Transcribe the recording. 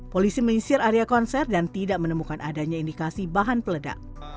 polisi menyisir area konser dan tidak menemukan adanya indikasi bahan peledak